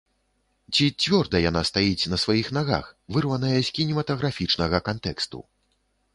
Ці цвёрда яна стаіць на сваіх нагах, вырваная з кінематаграфічнага кантэксту?